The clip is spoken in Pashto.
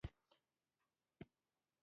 د الوویرا کښت په فراه کې شوی